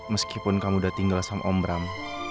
meskipun kamu udah tinggal sama om bram